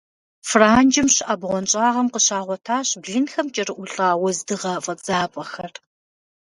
Франджым щыӀэ бгъуэнщӀагъым къыщагъуэтащ блынхэм кӀэрыӀулӀа уэздыгъэ фӀэдзапӀэхэр.